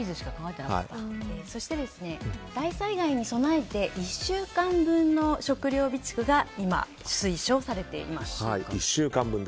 そして、大災害に備えて１週間分の食料備蓄が今、推奨されています。